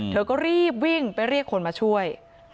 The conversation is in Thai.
เธอก็รีบวิ่งไปเรียกคนมาช่วย